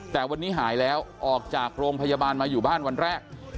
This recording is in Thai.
แต่วันนี้หายแล้วออกจากโรงพยาบาลมาอยู่บ้านวันแรก